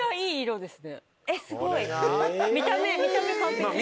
見た目完璧です。